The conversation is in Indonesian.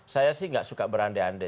saya sih tidak suka berande ande